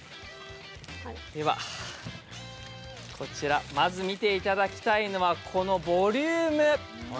では、こちら、まず見ていただきたいのはこのボリューム。